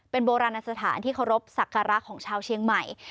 เป็นโบราณสถานที่เคารพสักการะของชาวเชียงใหม่